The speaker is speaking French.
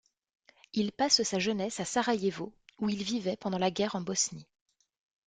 Il passe sa jeunesse à Sarajevo où il vivait pendant la guerre en Bosnie.